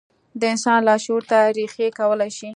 د انسان لاشعور ته رېښې کولای شي.